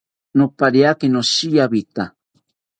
Nopariaki noshiawita